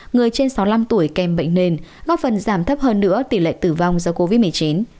người trên sáu mươi năm tuổi kèm bệnh nền góp phần giảm thấp hơn nữa tỷ lệ tử vong do covid một mươi chín